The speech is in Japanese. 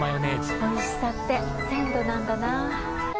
おいしさって鮮度なんだな。